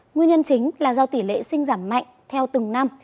nguyên nhân chính là do tỷ lệ sinh giảm mạnh theo từng năm